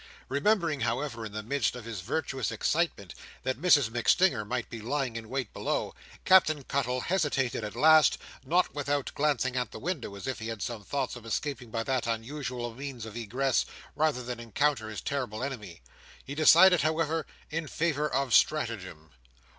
Remembering, however, in the midst of his virtuous excitement, that Mrs MacStinger might be lying in wait below, Captain Cuttle hesitated at last, not without glancing at the window, as if he had some thoughts of escaping by that unusual means of egress, rather than encounter his terrible enemy. He decided, however, in favour of stratagem.